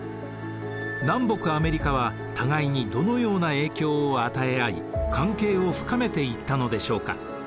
南北アメリカは互いにどのような影響を与え合い関係を深めていったのでしょうか。